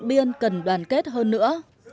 các đặc biên cần đoàn kết hơn nữa